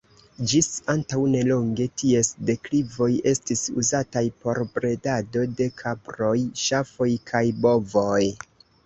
Ĝis antaŭ nelonge, ties deklivoj estis uzataj por bredado de kaproj, ŝafoj kaj bovoj.